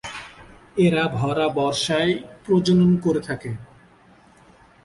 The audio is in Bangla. এরা ভরা বর্ষায় প্রজনন করে থাকে।